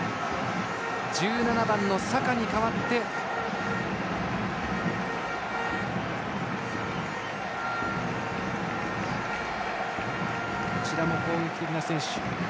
１７番のサカに代わってこちらも攻撃的な選手。